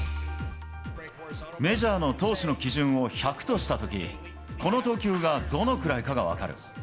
メジャーの投手の基準を１００としたとき、この投球がどのくらいかが分かる。